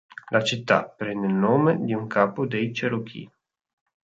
La città prende il nome di un capo dei Cherokee.